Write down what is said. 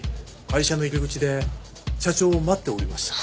会社の入り口で社長を待っておりました。